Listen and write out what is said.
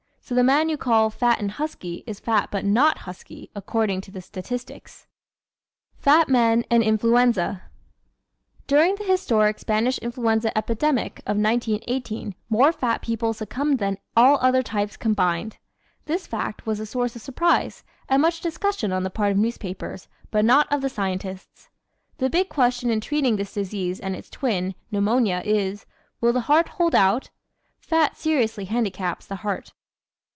So the man you call "fat and husky" is fat but not husky, according to the statistics. Fat Men and Influenza ¶ During the historic Spanish Influenza epidemic of 1918 more fat people succumbed than all other types combined. This fact was a source of surprise and much discussion on the part of newspapers, but not of the scientists. The big question in treating this disease and its twin, Pneumonia, is: will the heart hold out? Fat seriously handicaps the heart.